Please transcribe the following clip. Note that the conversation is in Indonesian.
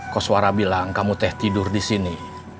koswara bilang kamu teh tidur disini